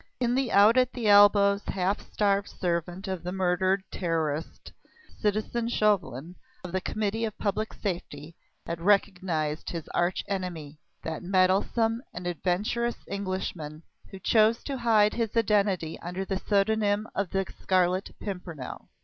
In the out at elbows, half starved servant of the murdered Terrorist, citizen Chauvelin, of the Committee of Public Safety, had recognised his arch enemy, that meddlesome and adventurous Englishman who chose to hide his identity under the pseudonym of the Scarlet Pimpernel.